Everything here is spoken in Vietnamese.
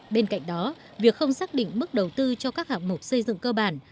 bên cạnh đó việc không xác định mức đầu tư cho các hạng mục xây dựng cơ bản